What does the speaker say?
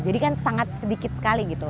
jadi kan sangat sedikit sekali gitu